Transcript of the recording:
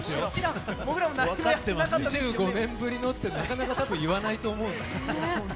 ２５年ぶりのって、多分これからもなかなか言わないと思うんで。